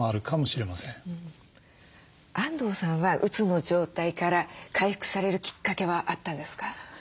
安藤さんはうつの状態から回復されるきっかけはあったんですか？